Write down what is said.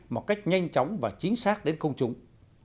một cách nhanh chóng và chính xác đến công chúng